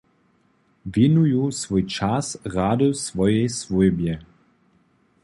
Wěnuju swój čas rady swojej swójbje.